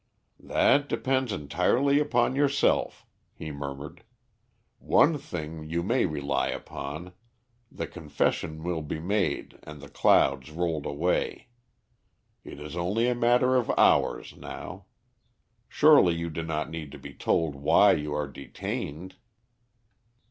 "That depends entirely upon yourself," he murmured. "One thing you may rely upon the confession will be made and the clouds rolled away. It is only a matter of hours now. Surely, you do not need to be told why you are detained?"